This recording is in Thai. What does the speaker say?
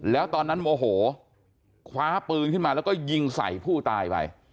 แล้วตอนนั้นโมโหคว้าปืนขึ้นมาแล้วก็ยิงใส่ผู้ตายไป